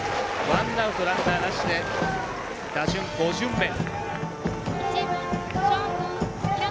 ワンアウト、ランナーなしで打順５巡目。